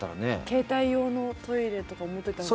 携帯用のトイレとか持ってたらいい。